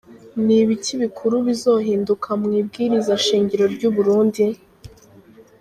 Ni ibiki bikuru bizohinduka mw'ibwiriza shingiro ry'u Burundi?.